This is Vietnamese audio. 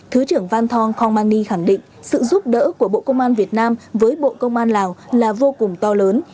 thứ trưởng van thong khong man ni khẳng định sự giúp đỡ của bộ công an việt nam với bộ công an lào là vô cùng to lớn